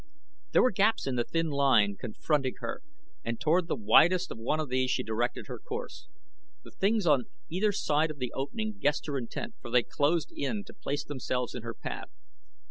There were gaps in the thin line confronting her and toward the widest of one of these she directed her course. The things on either side of the opening guessed her intent for they closed in to place themselves in her path.